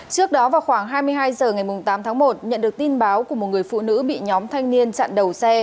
trước đó vào khoảng hai mươi hai h ngày tám tháng một nhận được tin báo của một người phụ nữ bị nhóm thanh niên chặn đầu xe